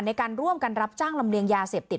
ในการร่วมกันรับจ้างลำเลียงยาเสพติด